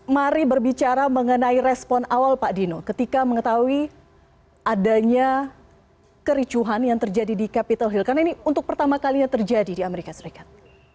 mari berbicara mengenai respon awal pak dino ketika mengetahui adanya kericuhan yang terjadi di capitol hill karena ini untuk pertama kalinya terjadi di amerika serikat